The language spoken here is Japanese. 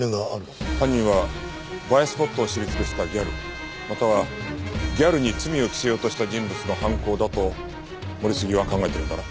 犯人は映えスポットを知り尽くしたギャルまたはギャルに罪を着せようとした人物の犯行だと森杉は考えてるんだな？